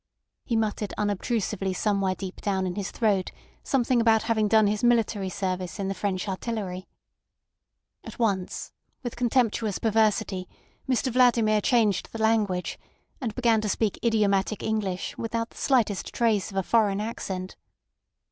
He muttered unobtrusively somewhere deep down in his throat something about having done his military service in the French artillery. At once, with contemptuous perversity, Mr Vladimir changed the language, and began to speak idiomatic English without the slightest trace of a foreign accent.